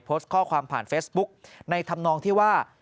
โพสต์ข้อความผ่านเฟซบุ๊กในธรรมนองที่ว่า